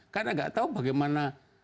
karena gak tau bagaimana